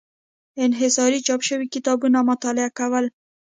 انحصاري چاپ شوي کتابونه مطالعه کول.